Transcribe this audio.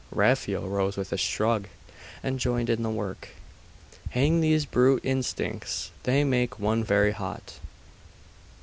Raphael rose with a shrug, and joined in the work. ............... 'Hang these brute instincts! They make one very hot.